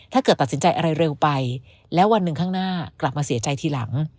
ตัดสินใจอะไรเร็วไปแล้ววันหนึ่งข้างหน้ากลับมาเสียใจทีหลัง